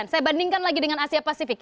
saya bandingkan lagi dengan asia pasifik